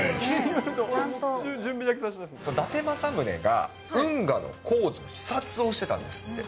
伊達政宗が運河の工事の視察をしてたんですって。